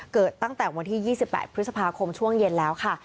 เกิดตั้งแต่วันที่๒๘พฤษภาคมช่วงเย็นแล้วค่ะ